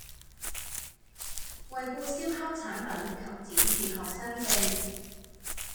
惠顧燒烤產品及展示學生證